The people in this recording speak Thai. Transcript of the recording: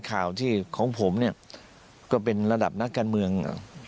บอกว่าคดีเสียแป้งต้องทำเงียบอย่าแถลงข่าวบ่อยอย่าแถลงข่าวมากเกินไปถ้าทำได้